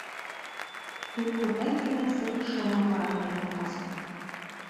Төлкө һә тигәнсе шырлыҡ араһына инеп ҡасты.